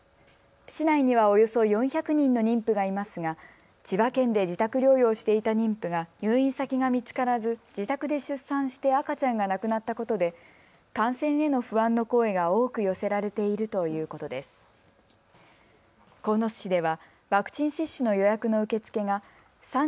市内にはおよそ４００人の妊婦がいますが千葉県で自宅療養していた妊婦が入院先が見つからず、自宅で出産して赤ちゃんが亡くなったことで感染への不安の声が多く寄せられているということです。